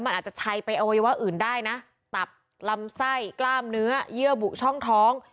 มันอาจจะใช้ไปอวัยวะอื่นได้นะตับลำไส้กล้ามเนื้อเยื่อบุช่องท้อง